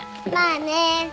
まあね。